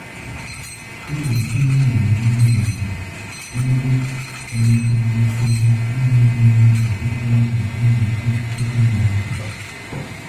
Mba Chaina na India bu ndi nwekarichara oria nyiri otutu ogwu mgbochi ukwara nta.